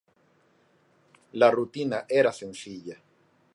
La rutina era sencilla.